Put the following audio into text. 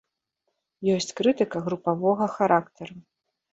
Ёсць крытыка групавога характару.